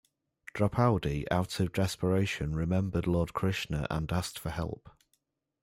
Draupadi, out of desperation, remembered Lord Krishna and asked for help.